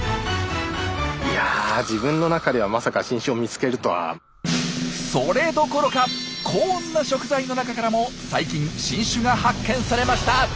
いや自分の中ではそれどころかこんな食材の中からも最近新種が発見されました。